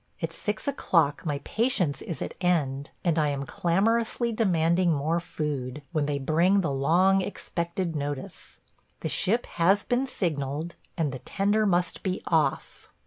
At six o'clock my patience is at end, and I am clamorously demanding more food, when they bring the long expected notice. The ship has been signaled, and the tender must be off.